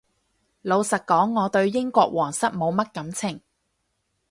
老實講我對英國皇室冇乜感情